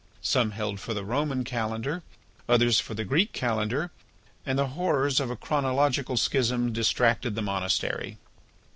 Some held for the Roman calendar, others for the Greek calendar, and the horrors of a chronological schism distracted the monastery.